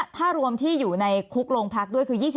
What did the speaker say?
ถ้ารวมที่อยู่ในคุกโรงพักด้วยคือ